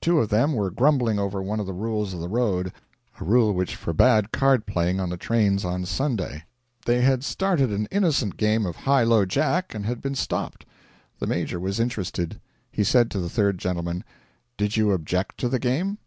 Two of them were grumbling over one of the rules of the road a rule which forbade card playing on the trains on Sunday. They had started an innocent game of high low jack and had been stopped. The Major was interested. He said to the third gentleman: 'Did you object to the game?'